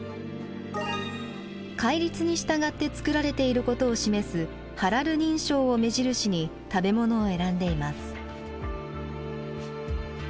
戒律に従って作られていることを示すハラル認証を目印に食べ物を選んでいます。